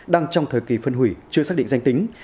đang trong thời kỳ phân hủy chưa xác định danh tính